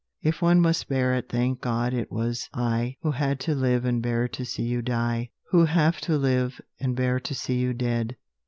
If one must bear it, thank God it was I Who had to live and bear to see you die, Who have to live, and bear to see you dead.